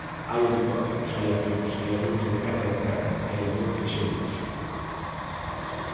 Hai helicópteros, hai avións, hai avións de carga en terra, hai avións lixeiros...